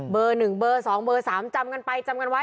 ๑เบอร์๒เบอร์๓จำกันไปจำกันไว้